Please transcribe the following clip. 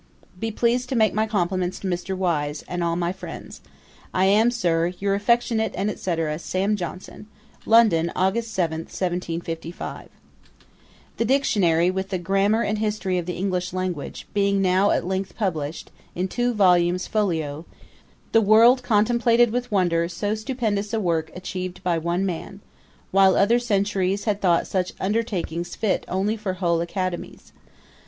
'Be pleased to make my compliments to Mr. Wise, and all my friends. 'I am, Sir, 'Your affectionate, &c. 'SAM. JOHNSON.' '[London] Aug. 7, 1755.' [Page 291: Publication of the DICTIONARY. Ætat 46.] The Dictionary, with a Grammar and History of the English Language, being now at length published, in two volumes folio, the world contemplated with wonder so stupendous a work achieved by one man, while other countries had thought such undertakings fit only for whole academies.